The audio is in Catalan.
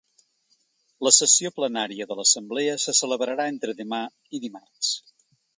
La sessió plenària de l’assemblea se celebrarà entre demà i dimarts.